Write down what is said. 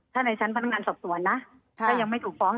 ถ้าในชั้นพนักงานสอบสวนนะถ้ายังไม่ถูกฟ้อง